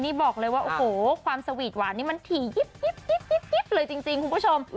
นี่บอกเลยว่าโอ้โหความสวีทหวานนี่มันถี่ยิบเลยจริงคุณผู้ชม